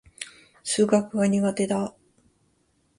数学が苦手だ。